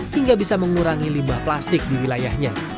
hingga bisa mengurangi limbah plastik di wilayahnya